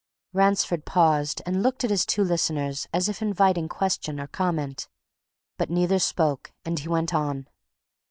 Ransford paused and looked at his two listeners as if inviting question or comment. But neither spoke, and he went on.